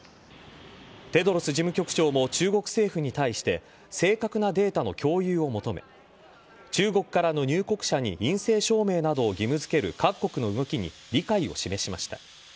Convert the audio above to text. テドロス事務局長も中国政府に対して正確なデータの共有を求め中国からの入国者に陰性証明などを義務付ける各国の動きに理解を示しました。